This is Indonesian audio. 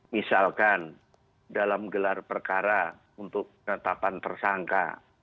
misalkan dalam gelar perkara untuk penetapan tersangka